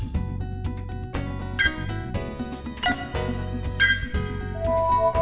chào tạm biệt tất cả mọi người